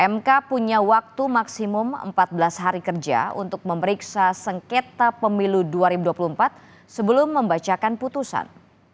mk punya waktu maksimum empat belas hari kerja untuk memeriksa sengketa pemilu dua ribu dua puluh empat sebelum membacakan putusan